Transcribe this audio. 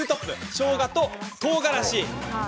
しょうがと、とうがらし。